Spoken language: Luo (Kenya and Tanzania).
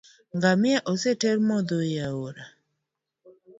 Ngamia oseter modho e aora